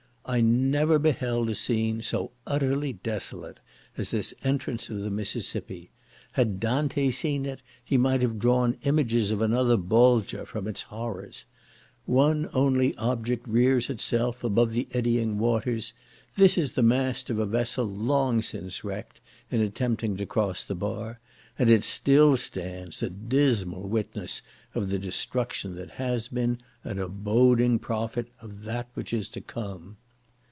I never beheld a scene so utterly desolate as this entrance of the Mississippi. Had Dante seen it, he might have drawn images of another Bolgia from its horrors. One only object rears itself above the eddying waters; this is the mast of a vessel long since wrecked in attempting to cross the bar, and it still stands, a dismal witness of the destruction that has been, and a boding prophet of that which is to come.